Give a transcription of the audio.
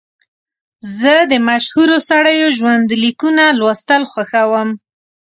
زه د مشهورو سړیو ژوند لیکونه لوستل خوښوم.